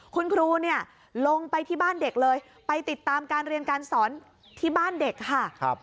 คุณครูเนี่ยลงไปที่บ้านเด็กเลยไปติดตามการเรียนการสอนที่บ้านเด็กค่ะ